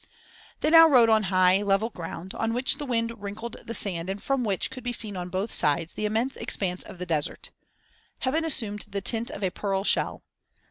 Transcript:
They now rode on high, level ground, on which the wind wrinkled the sand and from which could be seen on both sides the immense expanse of the desert. Heaven assumed the tint of a pearl shell.